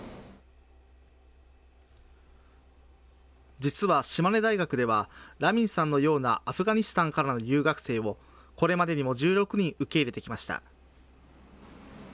実は島根大学では、ラミンさんのようなアフガニスタンからの留学生を、これまでにも１６人受け入れてきました。